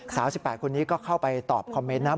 สาว๑๘คนนี้ก็เข้าไปตอบคอมเมนต์นะ